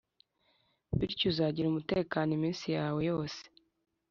Bityo uzagira umutekano iminsi yawe yose;